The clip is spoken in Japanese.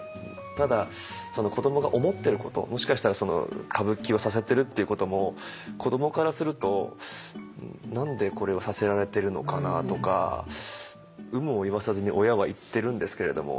ただ子どもが思ってることもしかしたら歌舞伎をさせてるっていうことも子どもからすると何でこれをさせられてるのかなとか有無を言わさずに親は言ってるんですけれども。